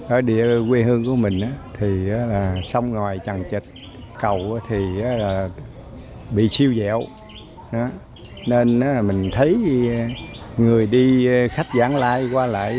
ở địa quê hương của mình sông ngòi tràng trịt cầu bị siêu dẹo nên mình thấy người đi khách dãn lại qua lại